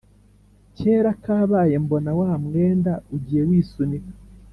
kera kabaye mbona wa mwenda ugiye wisunika,